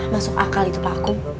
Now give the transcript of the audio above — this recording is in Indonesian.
masuk akal itu pak aku